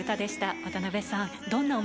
渡辺さん